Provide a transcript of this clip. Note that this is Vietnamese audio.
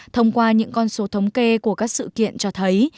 thông qua những con số thống kê của các sự kiện cho thấy